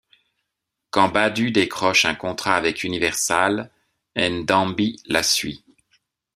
Quand Badu décroche un contrat avec Universal, N'Dambi la suit.